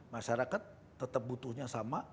masyarakat tetap butuhnya sama